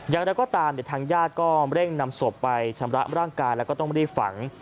อย่างไรก็ตามทางญาติก็เร่งนำศพไปชำระร่างกายแล้วก็ต้องรีบฝัง